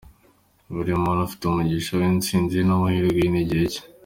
Buri muntu afite umugisha we, intsinzi ye n’amahirwe ye, n’igihe cye.